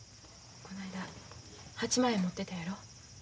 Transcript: この間８万円持ってたやろ。